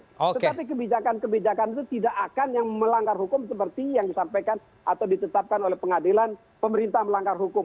tetapi kebijakan kebijakan itu tidak akan yang melanggar hukum seperti yang disampaikan atau ditetapkan oleh pengadilan pemerintah melanggar hukum